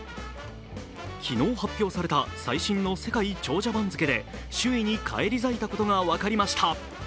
昨日、発表された最新の世界長者番付で首位に返り咲いたことが分かりました。